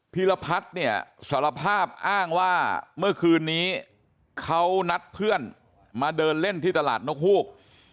ีรพัฒน์เนี่ยสารภาพอ้างว่าเมื่อคืนนี้เขานัดเพื่อนมาเดินเล่นที่ตลาดนกฮูก